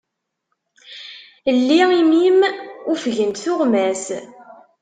Lli imi-m, ufgent tuɣmas.